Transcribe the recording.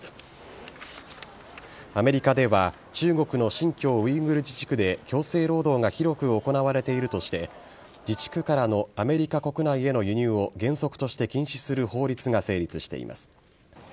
アメリカでは中国の新疆ウイグル自治区で強制労働が広く行われているとして、自治区からのアメリカ国内への輸入を原則として禁止する法律が成立しています。